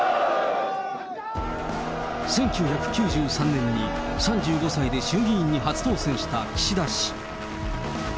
１９９３年に３５歳で衆議院に初当選した岸田氏。